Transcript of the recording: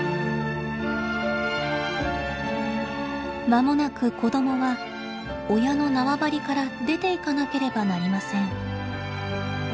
まもなく子供は親の縄張りから出ていかなければなりません。